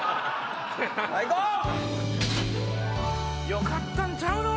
よかったんちゃうの？